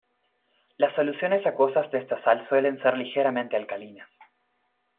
Las soluciones acuosas de esta sal suele ser ligeramente alcalinas.